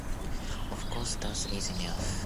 Of course that’s easy enough.